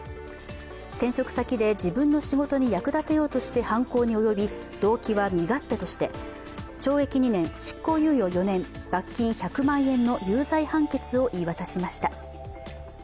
転職先で自分の仕事に役立てようとして犯行に及び動機は身勝手として、懲役２年、執行猶予４年罰金１００万円の有罪判決を言い渡しました。